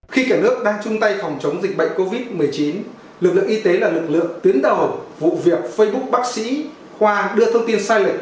khi cả nước đang chung tay phòng chống dịch bệnh covid một mươi chín lực lượng y tế là lực lượng tuyến đầu vụ việc facebook bác sĩ khoa đưa thông tin sai lệch